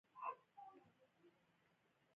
سږنی ژمی مو د ډېرو سړو له وجې ډبل ژمی تېر کړ.